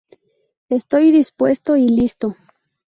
Estoy dispuesto y listo.